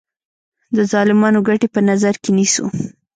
د ظالمانو ګټې په نظر کې نیسو.